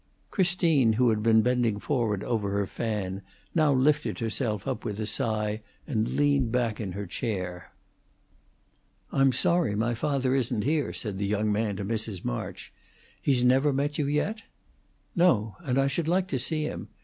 Christine, who had been bending forward over her fan, now lifted herself up with a sigh and leaned back in her chair. "I'm sorry my father isn't here," said the young man to Mrs. March. "He's never met you yet?" "No; and I should like to see him.